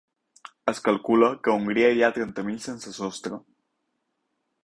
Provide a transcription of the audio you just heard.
Es calcula que a Hongria hi ha trenta mil sense sostre.